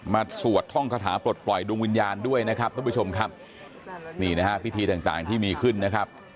สวดท่องคาถาปลดปล่อยดวงวิญญาณด้วยนะครับท่านผู้ชมครับนี่นะฮะพิธีต่างต่างที่มีขึ้นนะครับ